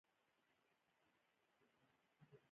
زه به منیو درته راولېږم، له تشریفاتو څخه وروسته بهر ولاړ.